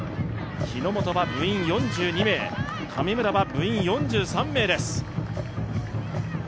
日ノ本は部員４２名神村は部員４３名です。